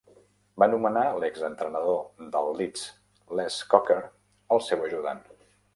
Va nomenar l'exentrenador del Leeds Les Cocker el seu ajudant.